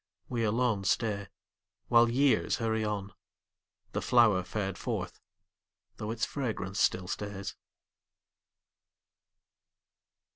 We alone stay While years hurry on, The flower fared forth, though its fragrance still stays.